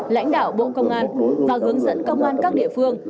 lãnh đạo bộ công an và hướng dẫn công an các địa phương